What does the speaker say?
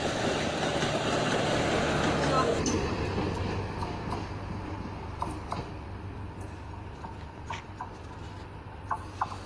Pisuaqtugut.